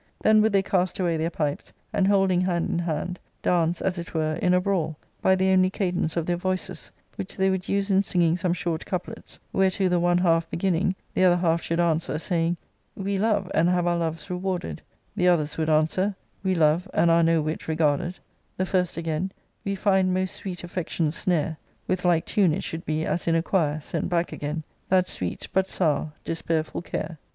Then would they cast away their pipes, and, holding hand in hand, dance, as it were, in a braul,* by the only cadence of their voices, which they would use in singing some short couplets, whereto the one half beginning, the other half should answer, saying— We love, and have our loves rewarded :" the others would answer —We love, and are no whit regarded ;" the first again —We find most sweet affection's snare ;" with like tune it should be, as in a quire, sent back again —That sweet, but sour, despairful care."